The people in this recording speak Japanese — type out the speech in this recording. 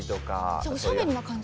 じゃあおしゃべりな感じ？